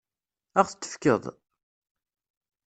Ad ɣ-t-tefkeḍ?